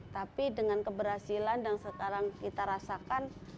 tapi dengan keberhasilan yang sekarang kita rasakan